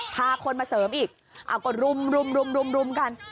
พาคนมาเสริมอีกเอาก็รุมกัน